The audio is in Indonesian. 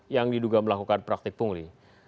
yang diduga melakukan praktik pungli